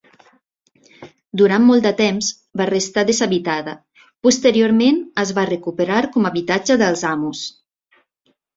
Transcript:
Durant molt temps va restar deshabitada, posteriorment es va recuperar com a habitatge dels amos.